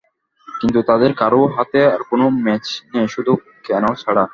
কিন্তু তাঁদের কারও হাতেই আর কোনো ম্যাচ নেই শুধু কেন ছাড়া।